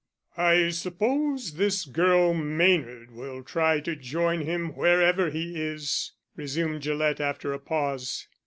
"I suppose this girl Maynard will try to join him wherever he is," resumed Gillett, after a pause.